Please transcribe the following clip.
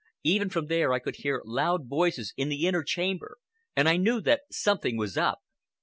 Even from there I could hear loud voices in the inner chamber and I knew that something was up.